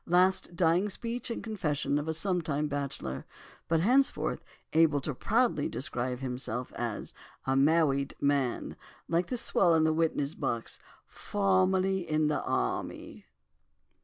Last dying speech and confession of a sometime bachelor, but henceforth able to proudly describe himself 'as a mawwied man,' like the swell in the witness box, 'faw mally in the awmy!